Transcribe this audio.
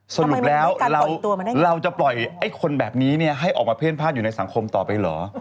สรุปแล้วเราจะปล่อยไอ้คนแบบนี้ให้ออกมาเพ่นพลาดอยู่ในสังคมต่อไปเหรอ